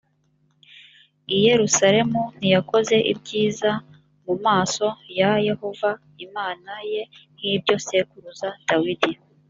i yerusalemu ntiyakoze ibyiza mu maso ya yehova imana ye nk ibyo sekuruza dawidi